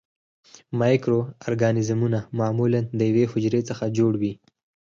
مایکرو ارګانیزمونه معمولاً د یوې حجرې څخه جوړ وي.